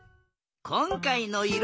こんかいのいろ